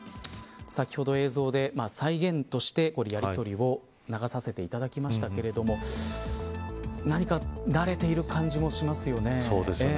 先ほど映像で再現としてやりとりを流させていただきましたが何か慣れている感じもしますよね。